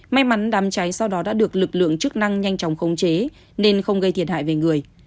may mắn đám cháy sau đó đã được lực lượng chức năng nhanh chóng khống chế nên không gây thiệt hại về người